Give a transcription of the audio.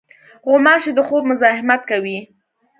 غوماشې د خوب مزاحمت کوي.